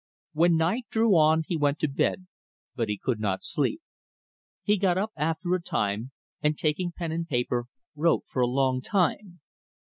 When night drew on he went to bed, but he could not sleep. He got up after a time, and taking pen and paper, wrote for a long time.